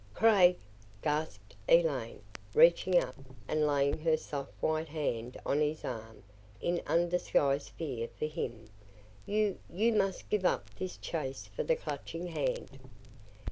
"Craig!" gasped Elaine, reaching up and laying her soft white hand on his arm in undisguised fear for him, "you you must give up this chase for the Clutching Hand!"